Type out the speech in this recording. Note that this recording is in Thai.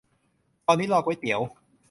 ตอนนี้รอก๋วยเตี๋ยว